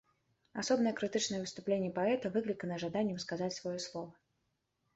Асобнае крытычнае выступленне паэта выклікана жаданнем сказаць свае слова.